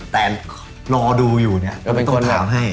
แต่รอดูอยู่เนี่ย